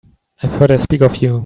I've heard her speak of you.